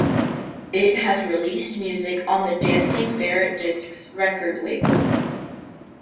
It has released music on the Dancing Ferret Discs record label.